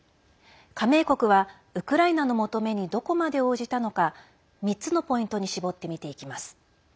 加盟国はウクライナの求めにどこまで応じたのか３つのポイントに絞って見ていきます。